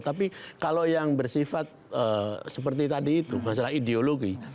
tapi kalau yang bersifat seperti tadi itu masalah ideologi